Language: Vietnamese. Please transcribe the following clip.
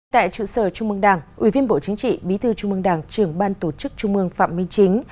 tại trụ sở trung mương đảng ủy viên bộ chính trị bí thư trung mương đảng trưởng ban tổ chức trung mương phạm minh chính